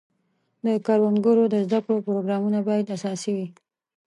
د کروندګرو د زده کړو پروګرامونه باید اساسي وي.